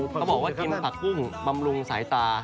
เขาบอกว่ากินผักปุ้งบำรุงสายตา